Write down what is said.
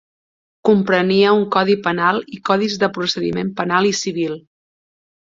Comprenia un codi penal i codis de procediment penal i civil.